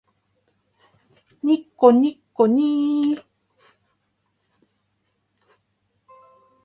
にっこにっこにー